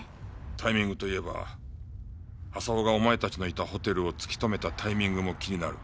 タイミングといえば浅尾がお前たちのいたホテルを突き止めたタイミングも気になる。